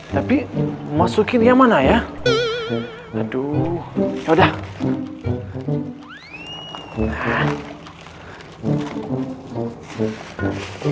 tapi masukin yang mana ya aduh yaudah